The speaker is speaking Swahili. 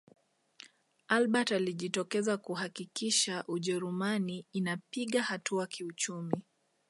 albert alijitolea kuhakikisha ujerumani inapiga hatua kiuchumi